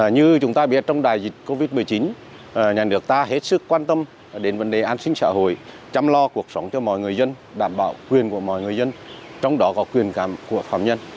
như chúng ta biết trong đại dịch covid một mươi chín nhà nước ta hết sức quan tâm đến vấn đề an sinh xã hội chăm lo cuộc sống cho mọi người dân đảm bảo quyền của mọi người dân trong đó có quyền cảm của phạm nhân